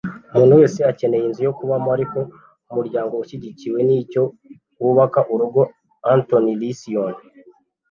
umuntu wese akeneye inzu yo kubamo, ariko umuryango ushyigikiwe nicyo wubaka urugo. - anthony liccione